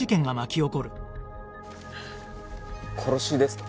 殺しですか？